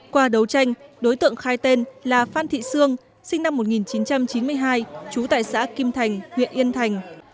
qua đấu tranh đối tượng khai tên là phan thị sương sinh năm một nghìn chín trăm chín mươi hai trú tại xã kim thành huyện yên thành